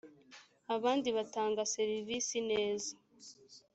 abandi batanga serivisi neza